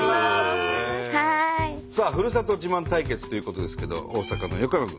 さあふるさと自慢対決ということですけど大阪の横山君。